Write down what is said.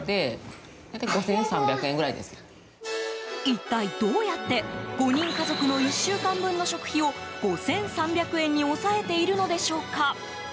一体どうやって５人家族の１週間分の食費を５３００円に抑えているのでしょうか。